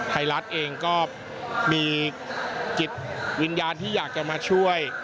ไทยรัฐเองก็มีจิตวิญญาณที่อยากจะมาช่วย